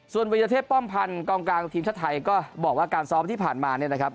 ส่วนวิทยาเทพป้อมพันธ์กองกลางทีมชาติไทยก็บอกว่าการซ้อมที่ผ่านมาเนี่ยนะครับ